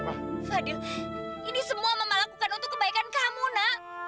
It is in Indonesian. fadil ini semua mama lakukan untuk kebaikan kamu nak